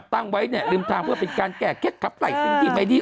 ตั้งไว้เนี่ยริมทางเพื่อเป็นการแก้เคล็ดขับไล่สิ่งที่ไม่ดี